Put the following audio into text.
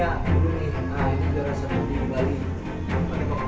kemudian kembali pakai kok kok